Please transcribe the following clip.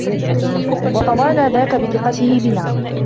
وَطَوَانَا ذَاكَ بِثِقَتِهِ بِنَا